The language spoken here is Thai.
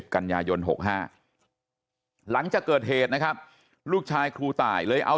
กันยายน๖๕หลังจากเกิดเหตุนะครับลูกชายครูตายเลยเอา